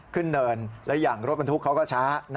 เนินและอย่างรถบรรทุกเขาก็ช้า